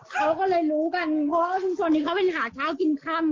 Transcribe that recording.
เขาก็เลยรู้กันเพราะว่าชุมชนเป็นหาเช้ากลิ่นค่ำไง